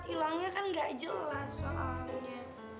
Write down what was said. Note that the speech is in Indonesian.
hilangnya kan gak jelas soalnya